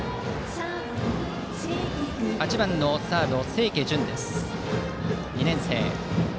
８番のサード、清家準、２年生。